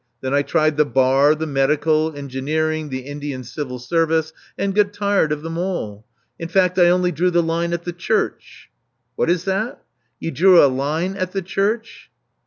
Then I tried the bar, the medical, engineering, the Indian civil service, and got tired of them all. In fact I only drew the line at the church " *'What is that? You drew a line at the church!"